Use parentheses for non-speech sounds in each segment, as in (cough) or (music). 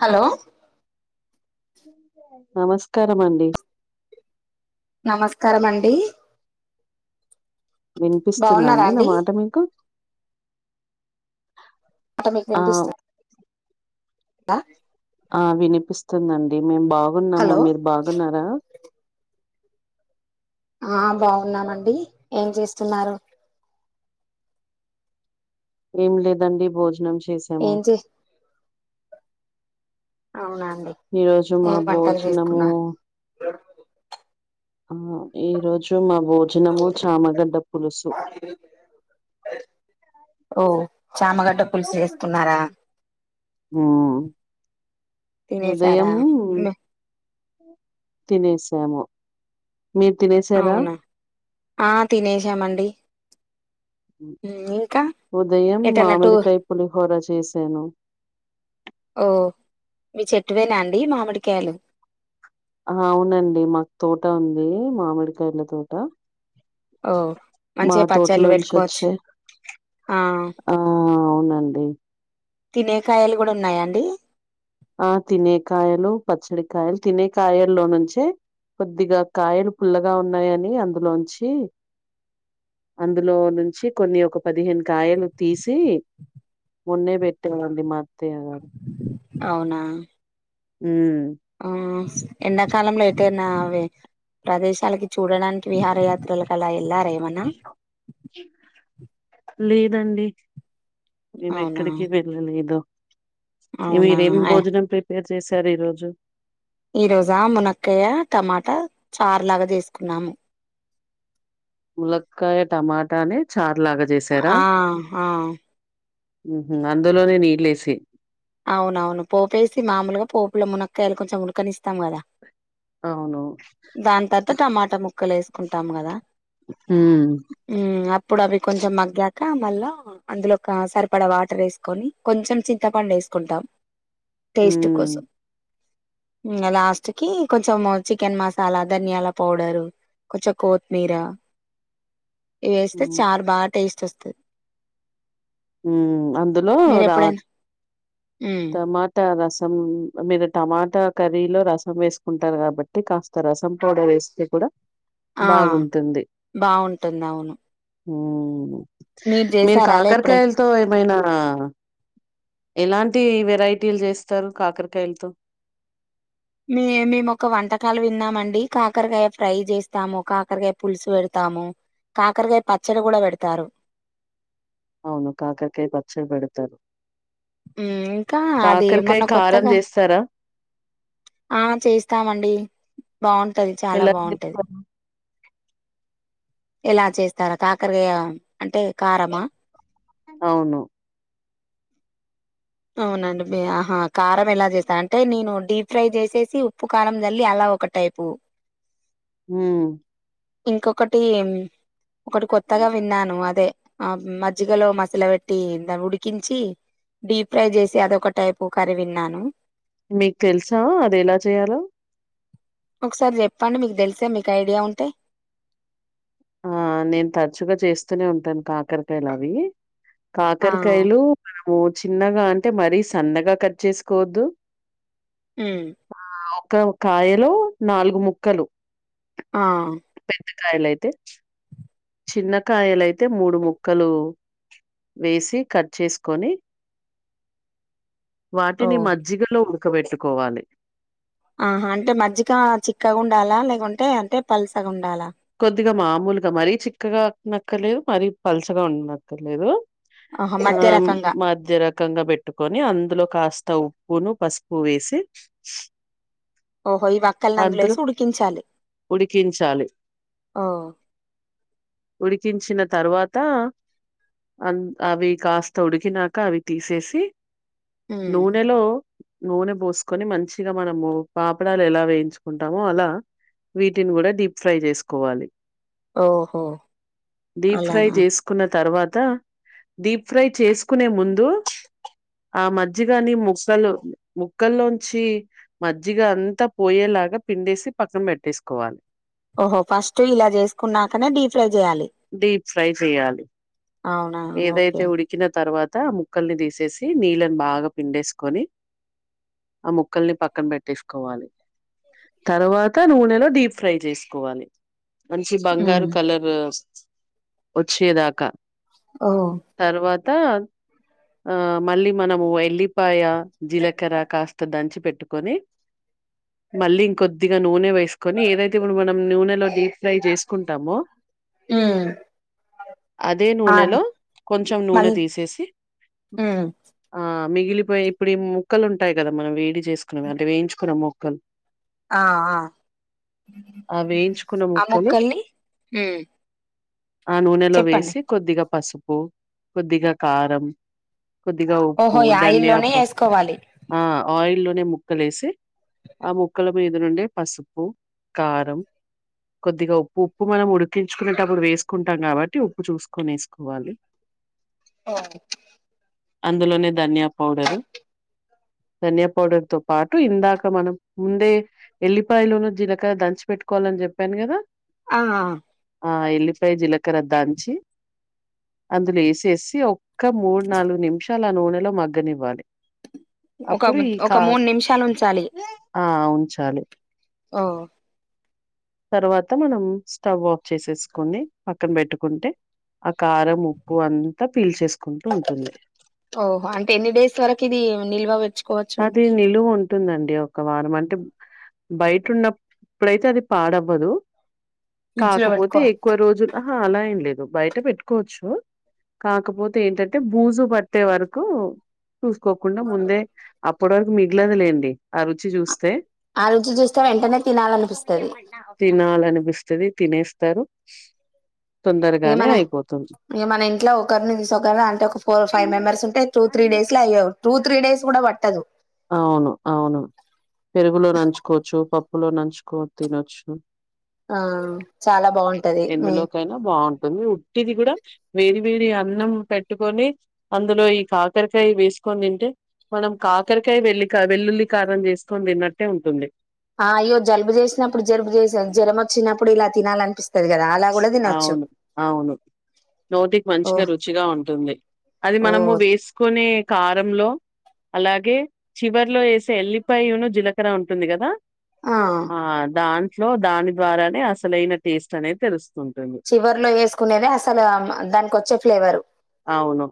Hello నమస్కారాం అండి నమస్కారమండి వినిపిస్తుంద అండి నా మాట మీకు అంటే మీకు ఆ వినిపిస్తు అ ఆ వినిపిస్తుందండి మేము బాగున్నాము హలో మీరు బాగున్నారా అ బావున్నామండి ఏం చేస్తున్నారు ఏం లేదండి భోజనం చేసాము ఏం చే అవున ఈ రోజు మా బోజనము అమ్మో ఈ రోజు మా భోజనము చామగడ్డ పులుసు ఓ చామగడ్డ పులుసు ఏసుకున్నార హూ తినేసారా ఉదయమూ ను తినేసాము మీరు తినేసారా ఆ తినేసామండి ఉమ్ ఇంకా ఉదయం ఎటన్నా టూర్ మామిడికై పులిహోర చేసాను ఓ మీ చెట్టువేనా అండి మామిడికాయలు ఆ అవునండి మాకు తోట ఉంది మామిడికాయల తోట ఓ మా మంచిగ పచ్చళ్ళు తోటలోంచి వెట్టుకోవచ్చు వచ్చే ఆ అవునండి తినే కాయలు గూడ ఉన్నాయా అండి అ తినే కాయలు పచ్చడి కాయల్ తినే కాయల్లో నుంచే కొద్దిగ కాయలు పుల్లగ ఉన్నాయని అందులోంచి అందులో నుంచి కొన్ని ఒక పదిహేను కాయలు తీసి మొన్నే బెట్టారండి మా అత్తయ్య గారు అవునా హ్మ్ అ ఎండాకాలంలో ఎటైన్న అవే ప్రదేశాలకి చూడడానికి విహారయాత్రలక్ అలా ఎల్లార ఎప్ లేదండి మేము అవునా ఎక్కడికి వెళ్ళలేదు అవునా మీరేం భోజనం ప్రిపేర్ చేశారు ఈరోజు ఈరోజా మునక్కాయ టమాటా చారు లాగ జేసుకున్నాము ములక్కాయ టమాటాని చా ఆ హా ఉహు అందులోనే నీళ్ళేసి అవునవును పోపేసి మాములుగా పోపులో మునక్కాయలు కొంచెం ఉడకనిస్తాం గదా అవును కుంటాం గద ఉమ్ హ్మ్ అప్పుడు అవి కొంచెం మగ్గా కా మళ్ళా అందులో ఒకా సరిపడా వాటర్ ఏసుకొని కొంచెం చింతపండు ఏసుకుంటాం టేస్ట్ ఉమ్ కోసం హ్మ్ లాస్ట్ కి కొంచెము చికెన్ మసాలా ధనియాల పౌడరు కొంచ కోత్మీరా ఇయేస్తే చారు బాగా టేస్ట్ ఒస్త హ్మ్ అందులో రా ఎప్పుడైనా ఉమ్ టమాట రసం మీరు టమాటా కర్రీ లో రసం వేసుకుంటారు కాబట్టి కాస్త రసం పౌడర్ ఏస్ స్తె కుడా ఆ బావుంటుంది అవును హ్మ్ మీరు చేసారా అలా కాకర్ ఎప్పుడైనా కాయలతో ఏమైనా ఎలాన్ తి వెరైటీలు చేస్తారు కాకరకాయలతో మే మేము ఒక వంటకాలు విన్నామండి కాకరకాయ ఫ్రై జేస్తాము, కాకరకాయ పులుసు పెడతా. ఆము కాకరగాయ పచ్చడ గూడ వెడతారు అవును కాకరకై పచ్చడి బెడతారు ఊమ్ ఇంకా అది మొన్న కారం కొత్తగా చేస్తారా ఆ చేస్తామండి బా ఉంటది చాలా ఎలా బా ఉంటది చేస్తారు ఎలా చేస్తారా కాకరగాయ అంటే కారమా అవును అవునండి బి అహా కారం ఎలా జేస్తా అంటే నేను డీప్ ఫ్రై జేసేసి, ఉప్పు కారం చల్లి, అల్ల. ఒక టైపు మ్ ఇంకొకటి ఒకటి కొత్తగా విన్నాను అదే అ మ జ్జి గలో మసుల పెట్టి దాన్ని ఉడికించి డీప్ ఫ్రై చేసి అదొక టైపు కర్రీ విన్నాను మీక్ తెలుసా అది ఎలా చేయలో ఒకసారి చెప్పండి మీకు తెలిసే మీకు ఐడియా ఉంటే ఆ నేను తరచుగా చేస్తూనే ఉంటాను కాకరకాయలు అవి ఆ కాకరకాయలు మనము చిన్నగా అంటే మరీ సన్నగా కట్ చేసుకోవద్దు హ్మ్ ఒ కాయలో నాలుగు ముక్కలు అ పెద్ద కాయలైతే చిన్నకాయలైతే మూడు ముక్కలు వేసి కట్ చేసుకొని ఓ వాటిని మజ్జిగలో ఉడుకబెట్టుకోవాలి ఆహ అంటే మజ్జిగ చిక్కగా ఉండాలా లేకుంటే అంటే పల్సగా ఉండాలా కొద్దిగ మామూలుగ మరీ చిక్కగా వునక్కర్లేదు మరీ పలుచగా వున్నకర్లేదు ఆహా ఆ మధ్య రకంగా మధ్యరకంగా పెట్టుకొని అందులో కాస్ త ఉప్పును పసుపు వేసి ఓహో ఈ వక్కల్ని అందులో వేసి ఉడికించాలి ఉడికించాలి. ఆ ఉడికించిన తరువాత అన్ అవి కాస్త ఉడికినాక అవి తీసేసి ఉమ్ నూనెలో నూనె పోూసుకొని మంచిగా మనము పాపుడాలు ఎలా వేయించుకుంటామో అలా వీటిని కూడా డీప్ ఫ్రై చేసుకోవాలి ఓహో డీప్ ఫ్రై అలానా చేసుకున్న తర్వాత్ త డీప్ ఫ్రై చేసుకునే ముందు ఆ మజ్జిగాని ముక్కలు ముక్కలోంచి మజ్జిగ అంతా పోయేలా లాగా పిండేసి పక్కన పెట్టేసుకోవాలి ఓహో ఫస్ట్ ఇలా చేసుకున్నాకనే డీప్ ఫ్రై చేయాలి డీప్ ఫ్రై చేయాలి అవునా ఏదైతే ఓకే ఉడికిన తర్వ త ముక్కల్ని తీసేసి నీళ్ళని బాగా పిండేసుకొని ఆ ముక్కల్ని పక్కన పెట్టేసుకోవాలి తర్వాత నూనెలో డీప్ ఫ్రై చేసుకోవాలి మంచి ఉమ్ బంగారు కలర్ వచ్చేదాకా ఓ త ఆ మళ్ళీ మనము ఎల్లిపాయ జీలకర్ర కాస్త దంచి పెట్ ట్టుకొని మళ్ళి ఇంకోద్ధిగ నూనె వేసుకొని ఏదైతే ఇప్పుడు మనం నూనెలో డీప్ ఫ్రై చేసుకుంటమొ మ్ అదే నూనెలో కొంచెం నూనె మళ్ళీ తీసేసి హ్మ్ ఆ మిగిలిపోయి ఇప్పుడు ఈ ముొక్కలు ఉంటాయి కదా మనం వేడి చేసుకునేవి అంటే వేయించుకున్నా ముొక్కలు ఆ ఆ ఆ వేయించుకున్న ఆ ముక్కలు ముక్కల్లి మ్ ఆ నూనెలో వేసి కొద్దిగా పసుపు కొద్దిగా కారం కొద్దిగా ఉప్పు ఓహో ఈ ధనియా ఆయిల్లోనే ప్ ఏసుకోవాలి ఆ ఆయిల్ లో నే ముక్కలేసి ఆ ముక్కల మీద నుండే పసుపు కారం కొద్దిగా ఉప్పు ఉప్పు మనం ఉడుక్ క్కించుకునేటప్పుడు వేసుకుంటాం కాబట్టి ఉప్పు చూసుకొని వేసుకోవాలి ఆ అందులోనే ధనియా పౌడరు ధనియా పౌడర్ తో పాటు ఇందాక మనం ముందే ఎల్లిపాయలోన జిలకర దంచి పెట్టుకోవాలని చెప్పాను కదా ఆ ఆ ఎల్లిపాయ జీలకర్ర దంచి అందులో వేసేసి ఇక్క మూడు నాలుగు నిమిషాల ఆ నూనెలో మగ్గనివ్వాలి ఒక అప్పుడు ఈ ఒక కా మూడు నిమిషాలు ఉంచాలి ఆ ఉంచాలి ఓ తర్వాత మనం స్టవ్ ఆఫ్ చేసేసుకుని పక్కన పెట్టుకుంటే ఆ కారం, ఉప్పు అంతా పీల్చేసుకుంటూ ఉంటుంది కిది నిల్వా ఉచ్ అది నిలువు ఉంటుందండి ఒక వారం అంటే బయట ఉన్నప్పుడైతే అది పాడవ్వదు ఫ్రిడ్జ్ లో కాకపోతే పెట్టుకో ఎక్కువ రోజులుహా అలా ఏంలేదు బయట పెట్టుకోవచ్చు కాకపోతే ఏంటంటే భూజు పట్టే వరకు చూసుకోకుండా ముందే అప్పటి వరకు మిగలది లేండి ఆ రుచి చూస్తే ఆ రుచి చూస్తే వెంటనే తినాలనిపిస్తది తినాలని వస్తది తినేస్తారు తొందరగానే అయిపోతుంది ఇం మన ఇంట్ ఒకరిని తీసుొ ఒకరు అంటే ఒక ఫోర్ ఫైవ్ మెంబర్స్ ఉంటే టూ త్రీ డేస్ లో అయ్య టూ త్రీ డేస్ కూడా పట్టదు అవును అవును పెరుగులో నంచుకోవచ్చు పప్పు పలో నంచుకోని తినొచ్చు ఆ చాలా బాగుంటది ఎందులోకైనా బాగుంటుంది ఉట్టిది కూడా వేది డి అన్నం పెట్టుకని అందులో ఈ కాకరకాయ వేసుకని తింటే మనం కాక క్కరికై వెళ్లి వెల్లుల్లి కారం చేసుకొని తిన్నట్టే ఉంటుంది ఆ అయ్యో జలుబు చేసినప్పుడు జలుబు చేసాంది జలం వచ్చినప్పుడు ఇలా తినాలనిపిస్తుంది ఆ అవును అవును నోటికి ఓ మంచిగా రుచిగా ఉంటుంది అది ఓ మనము వేసుకుని కారంలో అలాగే చివరిలో వేసే ఎల్లిపాయను జీలకర ఉంటుంది కదా ఆ దాంట్లో దాని ద్వారానే అసలైన టేస్ట్ అనేది తెలుస్తుంది చివరి లో వేసుకునేది అసలు దాక వచ్చే ఫ్లేవరు అవును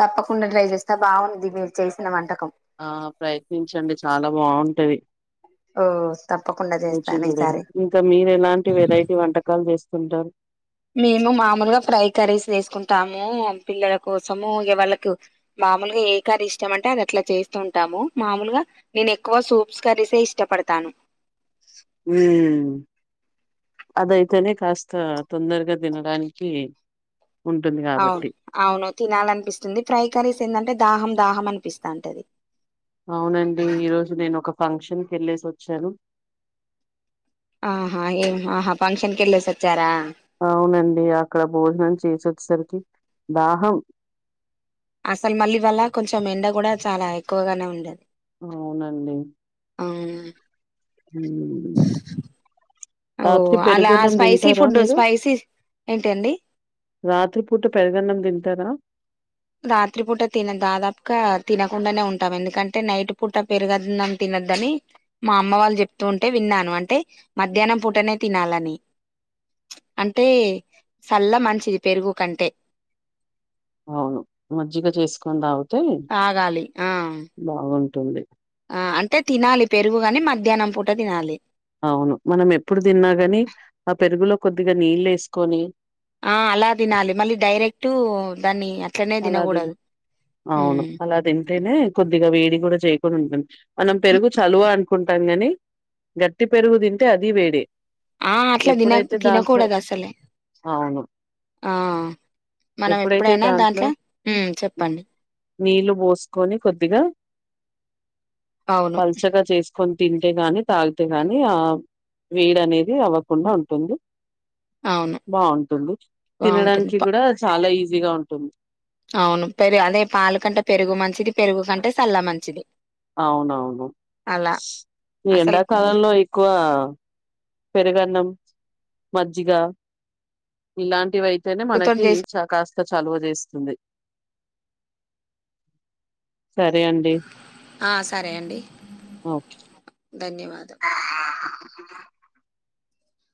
తప్పకుండా ట్రై చేస్తా బాగుంది మీరు చేసినా వంట ఆ ప్రయత్నించండి చాలా బాగుంటది ఓ తప్పకుండా రుచి చేస్తాను చూడండి ఈసారి ఇంకా మీరు ఎలాంటి వెరైటీ వంటకాలు చేస్ ఉంటార్ మేము మామూలుగా ఫ్రై కర్రీస్ వేసుకుంటాము పిల్లల కోసము ఏ వాళ్ళకు మామలుగా ఏ కర్రీ ఇష్టం అంటే అది అట్లా చేస్తూ ఉంటాము మామూలుగా నేను ఎక్కువ సూప్స్ కర్రీసే ఇష్టం పడతాను ఉ అదయితేనే కాస్త తొందరగా తినడానికి ఉంటుంది అవును కాబట్టి అవును తినాల అనిపిస్తుంది ఫ్రై కర్రీస్ ఏంటంటే దాహం దాహం అని పిస్తాంటది అవునండి ఈరోజు నేను ఒక ఫంక్షన్ కి వెళ్ళేసి వచ్చాను ఆహా ఏం ఆహా ఫంక్షన్ కెళ్ళేసి వచ్చారా అవునండి అక్కడ భోజనం చేసి వచ్చేసరికి దాహం అసలు మళ్ళీ ఇవ్వాళ కొంచెం ఎండ కూడా చాలా ఎక్కువగానే ఉండే అవునండి ఉం ఉం ఓ రాత్రి అలా పెరుగున్నం స్పైసీ తింటారా ఫుడ్ మీరు స్పైసీ ఏంటండి రాత్రి పూట పెరుగ అన్నం తింటారా రాత్రి పూట తిన దాదాపుగా తినకుండానే ఉంటాం ఎందుకంటే నైట్ పూట పెరుగన్నం తి ని మా అమ్మ వాళ్ళు చెప్తూ ఉంటే విన్నాను అంటే మధ్యాహ్నం పూటనే తినాలని అంటే చల్ల మంచిది పెరుగు కంటే అవును మజ్జిగ చేసుకొని తాగితే తాగాలి ఆ బాగుంటు ఆ అంటే తినాలి పెరుగుగాని మధ్యాహ్నం పూట తినాలి అవును మనం ఎప్పుడు తిన్నా గాని ఆ పెరుగులో కొద్దిగా నీళ్ళు వేసుకొని ఆ అలా తినాలి మళ్ళీ డైరెక్ట్ దాన్ని అట్లనే అలా తి తినకూడదు అవును ఉమ్. అలా తింటేనే కొద్దిగా వేడి కూడా చేయ అనుకుని ఉంటాంది మనం పెరుగు చలువ అనుకుంటాం గాని గట్టి పెరుగు తింటే అది వేడే ఆ అట్లా తిన ఎప్పుడైతే దాంట్లో తినకూడదు అసలే అవును ఆ మనం ఎప్పుడైనా దాంట్లో ఉం హ్మ్ చెప్పండి నీళ్లు పోసుకొని కొద్దిగా అవును. పల్చగా చేసి కొన్ తింటే గాని తాగితే గాని ఆ వేడి అనేది అవ్వకుండా ఉంటుంది అవును. బాగుంటుంది బావుంటుంది. తినడానికి ప కూడా చాలా ఈజీగా ఉంటుంది అవును పెరుగు అదే పాలు కంటే పెరుగు మంచిది పెరుగు కంటే చల్ల మంచిది అవునవును అలా ఈ అసలు ఎండాకాలంలో ఎక్కువ పెరుగన్నం మజ్జిగ ఇలాంటివై తేనే తోటి మనకి చేసి చ కాస్త చలువ చేస్తుంది సరే అండి ఆ సరే అండి ధన్యవాదం (inaudible)